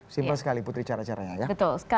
simpel sekali putri cara caranya ya